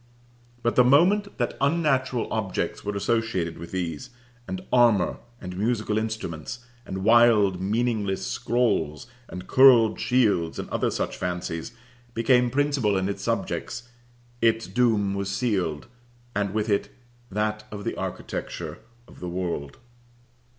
But the moment that unnatural objects were associated with these, and armor, and musical instruments, and wild meaningless scrolls and curled shields, and other such fancies, became principal in its subjects, its doom was sealed, and with it that of the architecture of the world.